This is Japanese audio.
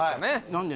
何で？